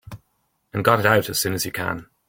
And got it out as soon as you can.